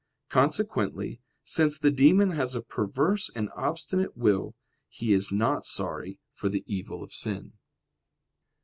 Consequently, since the demon has a perverse and obstinate will, he is not sorry for the evil of sin.